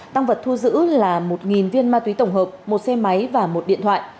tăng vật thu giữ là một viên ma túy tổng hợp một xe máy và một điện thoại